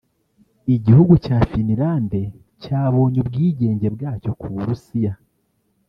Igihugu cya Finland cyabonye ubwigenge bwacyo ku burusiya